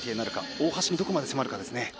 大橋にどこまで迫るかですね。